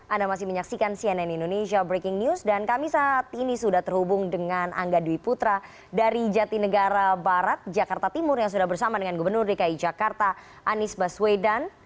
anda masih menyaksikan cnn indonesia breaking news dan kami saat ini sudah terhubung dengan angga dwi putra dari jatinegara barat jakarta timur yang sudah bersama dengan gubernur dki jakarta anies baswedan